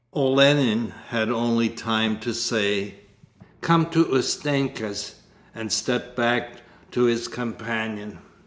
Olenin had only time to say, "Come to Ustenka's," and stepped back to his companion.